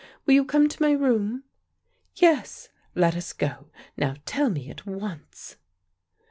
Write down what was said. Will you come to my room?" "Yes, let us go. Now tell me at once."